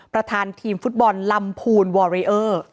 ประธานทีมฟุตบอลลำพูนวอเรอร์